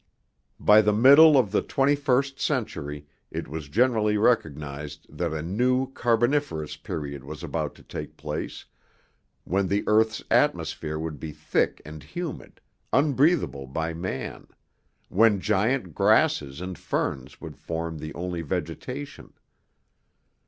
By the middle of the twenty first century it was generally recognized that a new carboniferous period was about to take place, when the earth's atmosphere would be thick and humid, unbreathable by man, when giant grasses and ferns would form the only vegetation.